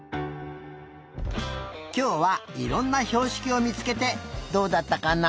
きょうはいろんなひょうしきをみつけてどうだったかな？